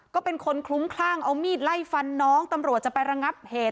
ก็เป็นคนคลุ้มคลั่งเอามีดไล่ฟันน้องตำรวจจะไประงับเหตุ